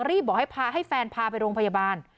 รีบบอกให้แฟนพาไปโรงพยาบาล